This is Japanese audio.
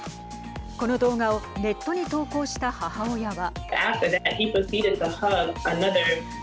この動画をネットに投稿した母親は。